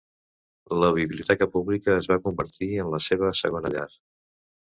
La biblioteca pública es va convertir en la seva segona llar.